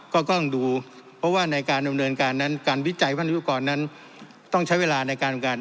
ก็ต้องดูเพราะว่าในการดำเนินการนั้นการวิจัยพัฒนาวิทยุตรก่อนนั้น